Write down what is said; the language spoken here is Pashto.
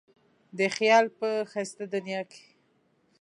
د خیال په ښایسته دنیا کې.